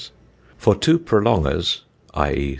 For two prolongers [_i.e.